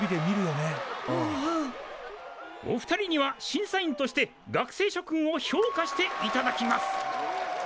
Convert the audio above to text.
お二人には審査員として学生諸君を評価していただきます。